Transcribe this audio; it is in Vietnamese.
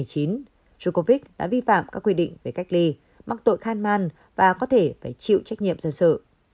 djokovic đã vi phạm các quy định về cách ly mắc tội khan man và có thể phải chịu trách nhiệm ra sự